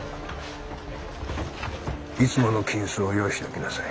いつもの金子を用意しておきなさい。